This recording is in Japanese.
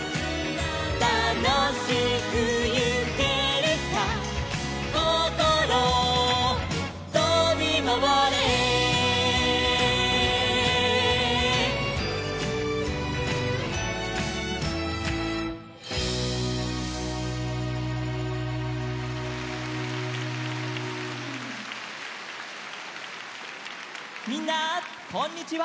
「たのしくいけるさ」「こころとびまわれ」みんなこんにちは。